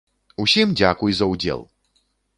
Усім дзякуй за ўдзел!